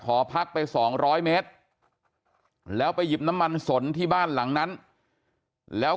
หอพักไป๒๐๐เมตรแล้วไปหยิบน้ำมันสนที่บ้านหลังนั้นแล้ว